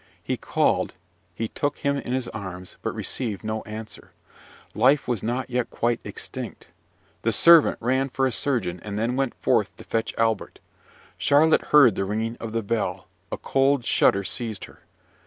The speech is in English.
He called, he took him in his arms, but received no answer. Life was not yet quite extinct. The servant ran for a surgeon, and then went to fetch Albert. Charlotte heard the ringing of the bell: a cold shudder seized her.